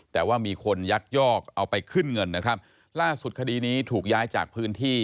แต่ว่ามีคนยักยอกเอาไปขึ้นเงินนะครับล่าสุดคดีนี้ถูกย้ายจากพื้นที่